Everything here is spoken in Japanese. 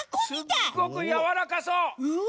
すっごくやわらかそう！